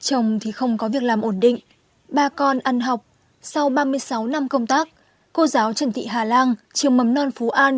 chồng thì không có việc làm ổn định ba con ăn học sau ba mươi sáu năm công tác cô giáo trần thị hà lan trường mầm non phú an